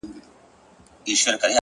زه هم د هغوی اولاد يم-